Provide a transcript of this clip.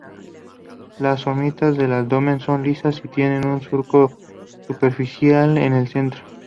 Las somitas del abdomen son lisas y tienen un surco superficial en el centro.